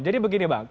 jadi begini bang